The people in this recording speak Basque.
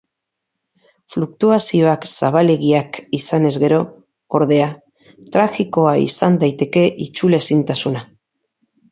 Fluktuazioak zabalegiak izanez gero, ordea, tragikoa izan daiteke itzulezintasuna.